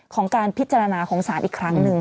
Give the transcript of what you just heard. ของการพิจารณาของศาลอีกครั้งหนึ่ง